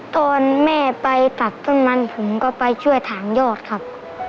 ตอนแม่ไปตัดต้นมันผมก็ไปช่วยถางยอดครับ